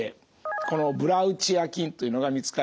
このブラウティア菌というのが見つかり